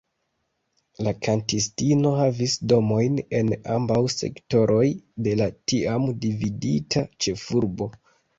La kantistino havis domojn en ambaŭ sektoroj de la tiam dividita ĉefurbo.